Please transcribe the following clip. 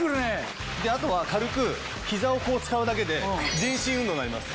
あとは軽くひざをこう使うだけで全身運動になります。